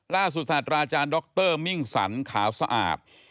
ล่าสุสัตว์ราชาญดรมิ่งสันขาวสะอาด